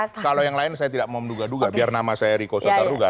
mbak rifana kalau yang lain saya tidak mau menduga duga biar nama saya riko sotar juga